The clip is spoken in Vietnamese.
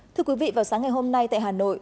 thưa quý vị vào sáng ngày hôm nay tại hà nội